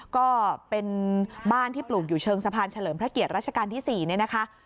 ก็เป็นบ้านที่ปลูกอยู่เชิงสะพานเฉลิมพระเกียรติรัชกาลที่๔เนี่ยนะคะ